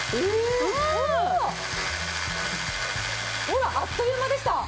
ほらあっという間でした。